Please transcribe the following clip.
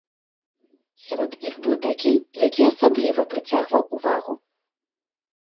Сярод іх быў такі, які асабліва прыцягваў увагу.